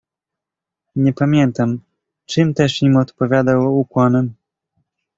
"Nie pamiętam, czym też im odpowiadał ukłonem."